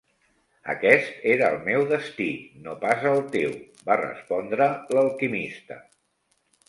"Aquest era el meu destí, no pas el teu", va respondre l'alquimista.